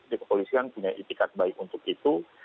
di kepolisian punya itikat baik untuk itu